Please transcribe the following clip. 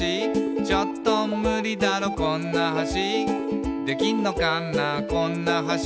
「ちょっとムリだろこんな橋」「できんのかなこんな橋」